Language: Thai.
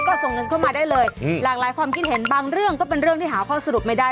ก็ส่งเงินเข้ามาได้เลยหลากหลายความคิดเห็นบางเรื่องก็เป็นเรื่องที่หาข้อสรุปไม่ได้